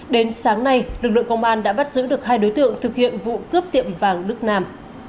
đến sáng nay lực lượng công an đã bắt giữ được hai đối tượng thực hiện vụ cướp tiệm vàng đức nam